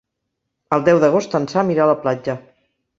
El deu d'agost en Sam irà a la platja.